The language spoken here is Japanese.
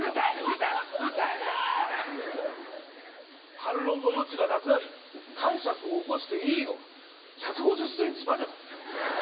反論の余地がなくなりかんしゃくを起こしていいのは１５０ｃｍまでだ。